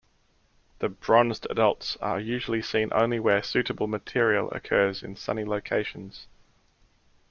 The bronzed adults are usually seen only where suitable material occurs in sunny locations.